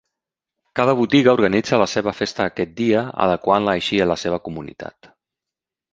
Cada botiga organitza la seva festa aquest dia, adequant-la així a la seva comunitat.